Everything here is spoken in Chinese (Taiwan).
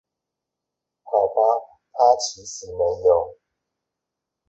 好吧他其實沒有